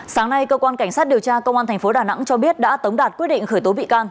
sáng nay cơ quan cảnh sát điều tra công an tp đà nẵng cho biết đã tống đạt quyết định khởi tố bị can